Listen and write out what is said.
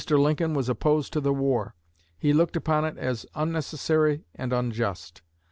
Lincoln was opposed to the war. He looked upon it as unnecessary and unjust.